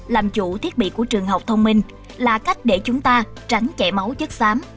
làm chủ thiết bị của trường học thông minh là cách để chúng ta tránh chảy máu chất xám